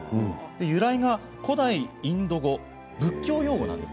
由来は古代インド語、仏教用語なんです。